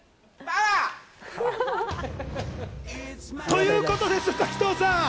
ということです、滝藤さん。